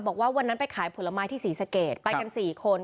บอกว่าวันนั้นไปขายผลไม้ที่ศรีสะเกดไปกัน๔คน